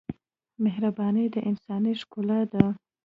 مهرباني د انسانۍ ښکلا ده.